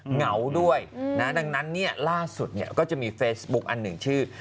เหงาด้วยนะดังนั้นเนี่ยล่าสุดเนี่ยก็จะมีเฟซบุ๊คอันหนึ่งชื่อ